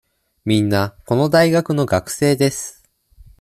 みんな、この大学の学生です。